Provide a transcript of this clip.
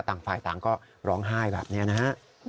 ต่างฝ่ายต่างก็ร้องไห้แบบนี้นะฮะ